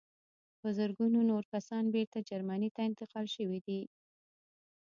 په زرګونه نور کسان بېرته جرمني ته انتقال شوي دي